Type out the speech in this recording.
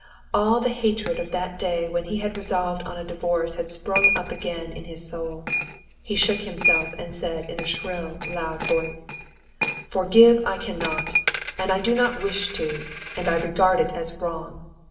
All the hatred of that day when he had resolved on a divorce had sprung up again in his soul. He shook himself, and said in a shrill, loud voice: "Forgive I cannot, and do not wish to, and I regard it as wrong.